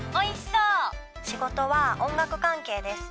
仕事は音楽関係です。